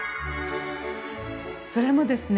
それもですね